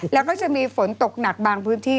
แล้วก็จะมีฝนตกหนักบางพื้นที่